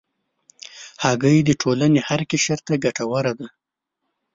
هګۍ د ټولنې هر قشر ته ګټوره ده.